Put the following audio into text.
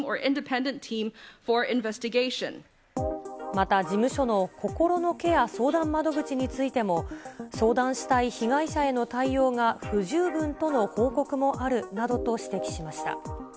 また、事務所の心のケア相談窓口についても、相談したい被害者への対応が不十分との報告もあるなどと指摘しました。